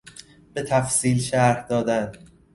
به تفصیل شرح دادن